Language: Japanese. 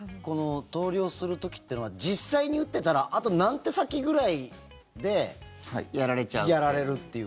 投了する時っていうのは実際に打ってたらあと何手先くらいでやられるという。